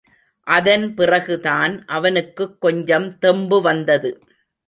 அதன் பிறகுதான் அவனுக்குக் கொஞ்சம் தெம்பு வந்தது.